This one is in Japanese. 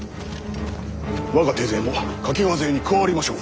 我が手勢も懸川勢に加わりましょう。